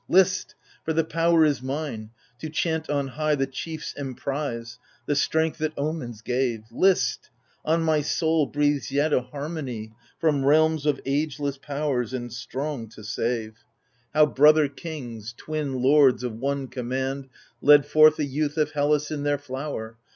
List ! for the power is mine, to chant on high The chiefs' emprise, the strength that omens gave ! List 1 on my soul breathes yet a harmony. From realms of ageless powers, and strong to save I 8 AGAMEMNON How brother kings, twin lords of one command, Led forth the youth of Hellas in their flower.